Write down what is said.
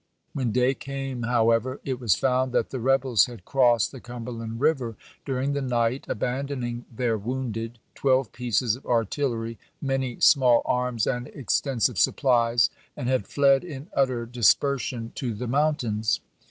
When day came, however, it was found that the rebels had crossed the Cum berland River during the night, abandoning their wounded, twelve pieces of artillery, many small arms, and extensive supplies, and had fled in utter dispersion to the mountains.